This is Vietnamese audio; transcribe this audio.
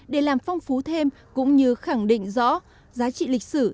để làm phong phú thêm cũng như khẳng định rõ giá trị lịch sử